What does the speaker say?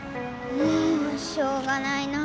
もうしょうがないなぁ。